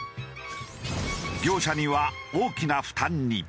業者には大きな負担に。